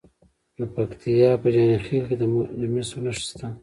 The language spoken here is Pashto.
د پکتیا په جاني خیل کې د مسو نښې شته.